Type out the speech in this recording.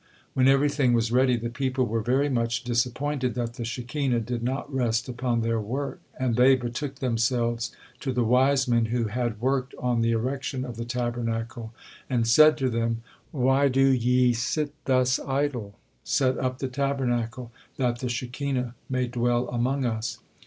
When everything was ready, the people were very much disappointed that the Shekinah did not rest upon their work, and the betook themselves to the wise men who had worked on the erection of the Tabernacle, and said to them: "Why do ye sit thus idle, set up the Tabernacle, that the Shekinah may dwell among us."